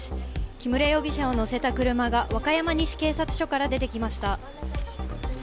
木村容疑者を乗せた車が和歌山西警察署から出てきました。